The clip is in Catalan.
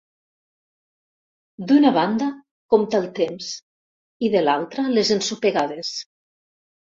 D'una banda compta el temps i de l'altra les ensopegades.